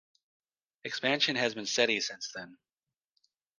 Expansion has been steady since then.